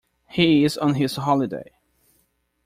He is on his holiday.